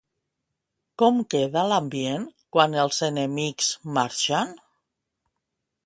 Com queda l'ambient quan els enemics marxen?